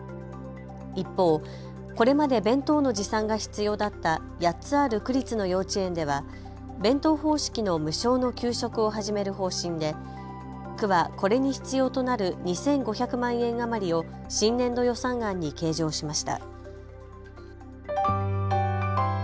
一方、これまで弁当の持参が必要だった８つある区立の幼稚園では弁当方式の無償の給食を始める方針で区はこれに必要となる２５００万円余りを新年度予算案に計上しました。